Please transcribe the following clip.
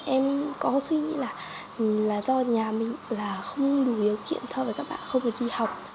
em có suy nghĩ là do nhà mình là không đủ điều kiện so với các bạn không được đi học